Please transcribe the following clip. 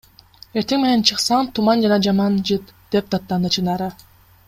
Эртең менен чыксаң — туман жана жаман жыт, – деп даттанды Чынара.